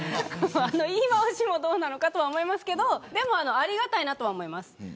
言い回しもどうかと思いますけどありがたいとは思います。